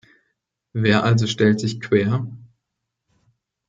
Wer also stellt sich quer?